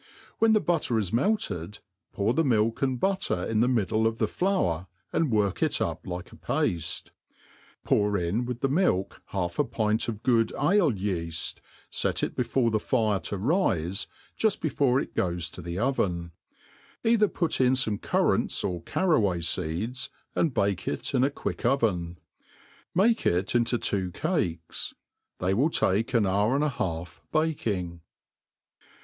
When the butter is melt ed, pour the milk and butter in the middle of the flour, and work it up like paite. Pour in with the milk half a pint of good ale yeafl , fet it before the fire to rife, juft before it goea to the^ oven. Either put in fome currants or carraway feeds, and bake it in a quick oven. Make it into two cakes. They will take an hour and a half baking.